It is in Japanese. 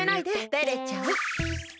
てれちゃう。